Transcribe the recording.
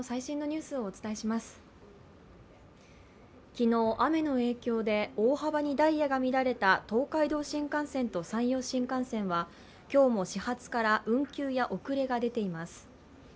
昨日、雨の影響で大幅にダイヤが乱れた東海道新幹線と山陽新幹線は昨日も始発から運休や遅れが出ています。